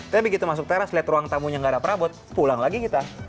tapi begitu masuk teras lihat ruang tamunya nggak ada perabot pulang lagi kita